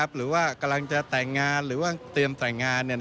หรือว่ากำลังจะแต่งงานหรือว่าเตรียมแต่งงาน